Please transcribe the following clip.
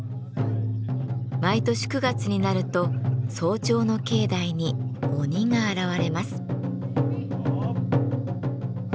毎年９月になると早朝の境内に鬼が現れます。